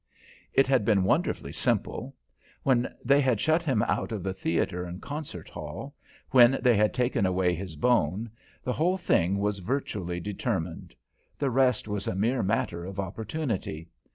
It had been wonderfully simple; when they had shut him out of the theatre and concert hall, when they had taken away his bone, the whole thing was virtually determined. The rest was a mere matter of opportunity.